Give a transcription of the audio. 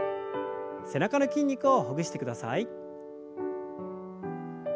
背中の筋肉をほぐしてください。